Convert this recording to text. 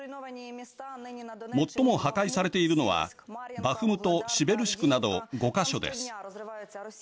最も破壊されているのはバフムト、シベルシクなど５か所です。